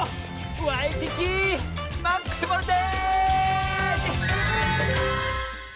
ワイキキマックスボルテージ！